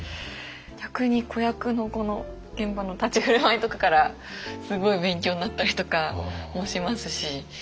逆に子役の子の現場の立ち居振る舞いとかからすごい勉強になったりとかもしますし。